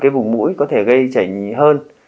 bông mũi có thể gây chảy hơn